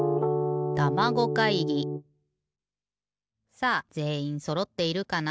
さあぜんいんそろっているかな？